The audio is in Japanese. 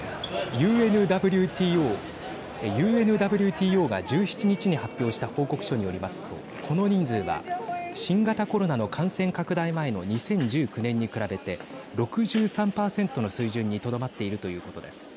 ＵＮＷＴＯが１７日に発表した報告書によりますとこの人数は新型コロナの感染拡大前の２０１９年に比べて６３％の水準にとどまっているということです。